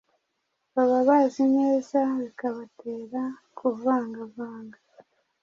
baba bazi neza, bikabatera kuvangavanga